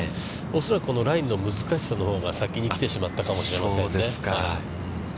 恐らくこのラインの難しさのほうが先に来てしまったかもしれませんね。